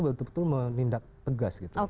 betul betul menindak tegas